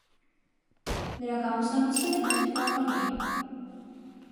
Նրանք ամուսնալուծվել են նույն թվականին։